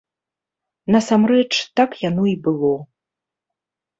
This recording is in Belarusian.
Насамрэч, так яго і было.